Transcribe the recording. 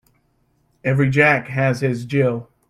Every Jack has his Jill.